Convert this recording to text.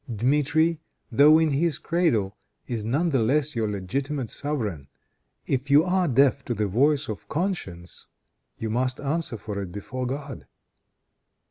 Dmitri, though in his cradle, is none the less your legitimate sovereign. If you are deaf to the voice of conscience you must answer for it before God."